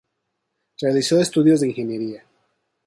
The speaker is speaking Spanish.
Realizó estudios de ingeniería.